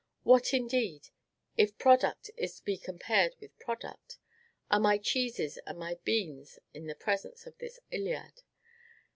What, indeed, if product is to be compared with product, are my cheeses and my beans in the presence of his "Iliad"?